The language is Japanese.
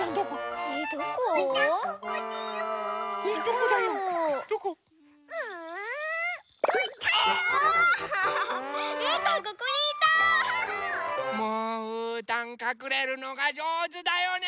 もううーたんかくれるのがじょうずだよね！